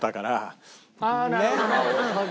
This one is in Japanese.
ああなるほどね。